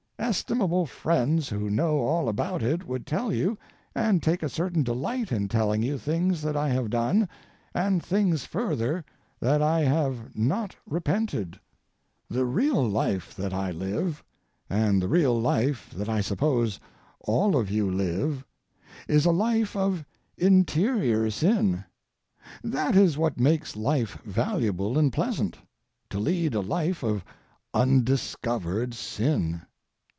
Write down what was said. Estimable friends who know all about it would tell you and take a certain delight in telling you things that I have done, and things further that I have not repented. The real life that I live, and the real life that I suppose all of you live, is a life of interior sin. That is what makes life valuable and pleasant. To lead a life of undiscovered sin!